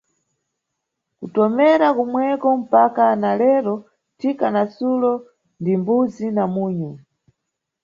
Kutomera kumweko mpaka na kero thika na sulo ndi mbuzi na munyu.